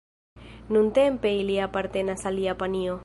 Nuntempe ili apartenas al Japanio.